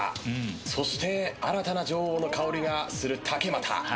そして新たな女王の香りがする竹俣。